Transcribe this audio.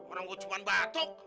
orang gue cuma batuk